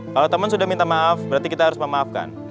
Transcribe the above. kalau teman sudah minta maaf berarti kita harus memaafkan